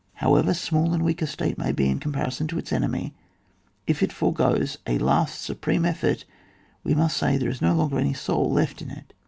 However small and weak a State may be in comparison to its enemy, if it fore goes a last supreme effort, we must say there is no longer any soul left in it.